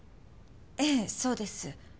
ええそうです。